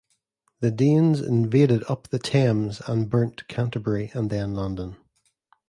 The Danes invaded up the Thames and burnt Canterbury and then London.